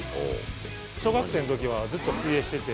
小学生のときはずっと水泳してて。